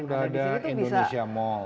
sekarang sudah ada indonesia mall